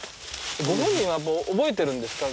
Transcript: ご本人はやっぱ覚えてるんですか？